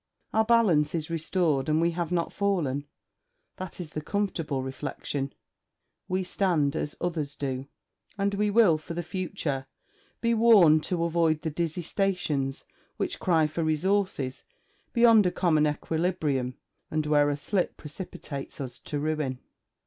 Our balance is restored and we have not fallen; that is the comfortable reflection: we stand as others do, and we will for the future be warned to avoid the dizzy stations which cry for resources beyond a common equilibrium, and where a slip precipitates us to ruin.